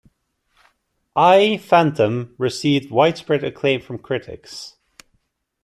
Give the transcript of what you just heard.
"I Phantom" received widespread acclaim from critics.